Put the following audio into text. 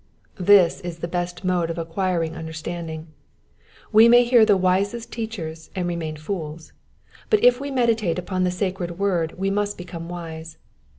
'^^ This is the best mode of acquiring understanding. We may hear the wisest teachers and remain fools, but if we meditate upon the sacred word we must become wise.